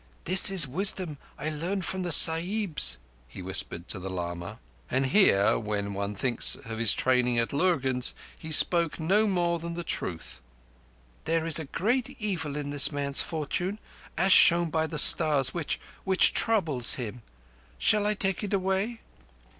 "This is wisdom I learned from the Sahibs," he whispered to the lama; and here, when one thinks of his training at Lurgan's, he spoke no more than the truth. "There is a great evil in this man's fortune, as shown by the Stars, which—which troubles him. Shall I take it away?"